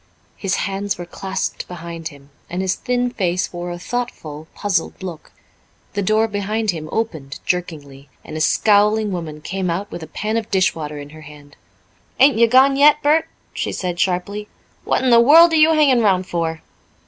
His hands were clasped behind him, and his thin face wore a thoughtful, puzzled look. The door behind him opened jerkingly, and a scowling woman came out with a pan of dishwater in her hand. "Ain't you gone yet, Bert?" she said sharply. "What in the world are you hanging round for?"